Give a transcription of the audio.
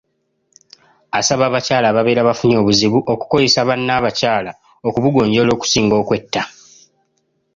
Asaba abakyala ababeera bafunye obuzibu, okukozesa bannabakyala okubugonjoola okusinga okwetta.